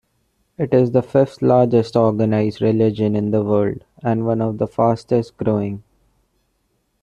It is the fifth-largest organized religion in the world and one of the fastest-growing.